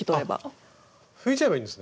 あっ拭いちゃえばいいんですね。